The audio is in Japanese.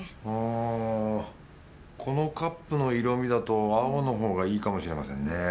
あこのカップの色味だと青のほうがいいかもしれませんね。